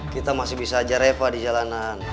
kita masih bisa aja reva di jalanan